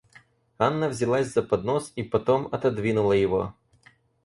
Анна взялась за поднос и потом отодвинула его.